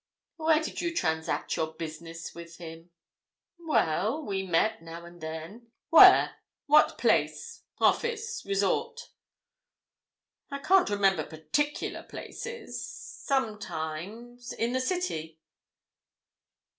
"Where did you transact your business with him?" "Well, we met, now and then." "Where? What place, office, resort?" "I can't remember particular places. Sometimes—in the City."